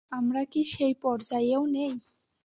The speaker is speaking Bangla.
আমরা কি সেই পর্যায়েও নেই?